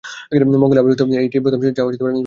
মঙ্গলে আবিষ্কৃত এটিই প্রথম শিলা যা ব্যাসল্ট দ্বারা গঠিত।